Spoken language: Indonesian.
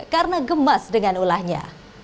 karena gemas dengan ulahnya